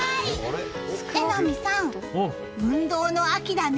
榎並さん、運動の秋だね！